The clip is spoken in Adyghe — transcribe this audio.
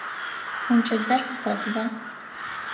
Ӏункӏыбзэр къысэтба.